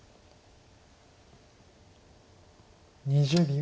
２０秒。